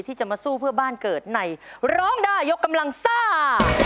ที่จะมาสู้เพื่อบ้านเกิดในร้องได้ยกกำลังซ่า